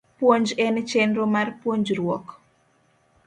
Puonj en chenro mar puonjruok